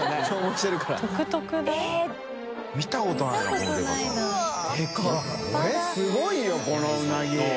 これすごいよこのうなぎ。